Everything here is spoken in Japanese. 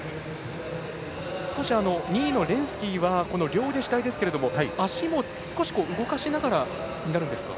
２位のレンスキーは両腕主体ですけれども足も少し動かしながらですか。